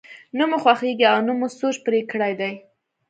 نه مو خوښېږي او نه مو سوچ پرې کړی دی.